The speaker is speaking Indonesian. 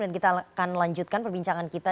dan kita akan lanjutkan perbincangan kita